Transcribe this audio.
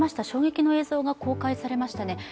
衝撃の映像が公開されましたね。